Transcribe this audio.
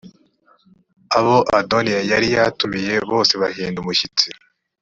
abo adoniya yari yatumiye bose bahinda umushyitsi.